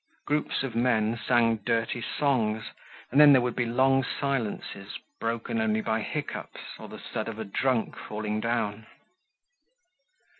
Groups of men sang dirty songs and then there would be long silences broken only by hiccoughs or the thud of a drunk falling down.